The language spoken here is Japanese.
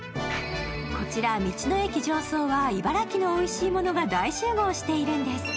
こちら、道の駅常総は茨城のおいしいものが大集合しているんです。